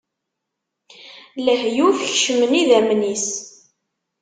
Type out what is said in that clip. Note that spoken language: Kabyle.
Lehyuf kecmen idammen-is.